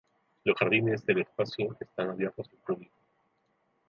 Los jardines del palacio están abiertos al público.